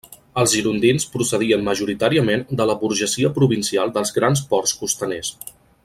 Els girondins procedien majoritàriament de la burgesia provincial dels grans ports costaners.